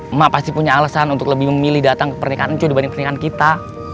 emak pasti punya alasan untuk lebih memilih datang ke pernikahan itu dibanding pernikahan kita